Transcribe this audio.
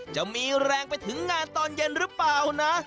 จะมีแรงไปถึงงานตอนเย็นหรือเปล่านะ